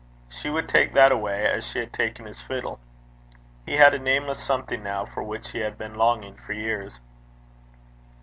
She would take that away as she had taken his fiddle. He had a nameless something now for which he had been longing for years.